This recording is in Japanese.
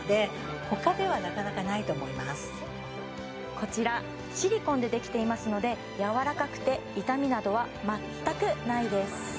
こちらシリコンでできていますのでやわらかくて痛みなどは全くないです